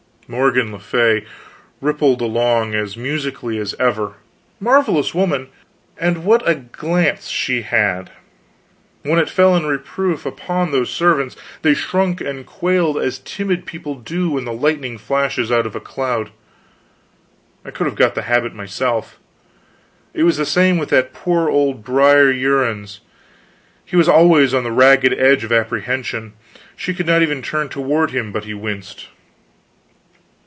Morgan le Fay rippled along as musically as ever. Marvelous woman. And what a glance she had: when it fell in reproof upon those servants, they shrunk and quailed as timid people do when the lightning flashes out of a cloud. I could have got the habit myself. It was the same with that poor old Brer Uriens; he was always on the ragged edge of apprehension; she could not even turn toward him but he winced.